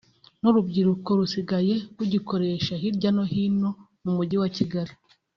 n’urubyiruko rusigaye rugikoresha hirya no hino mu mujyi wa Kigali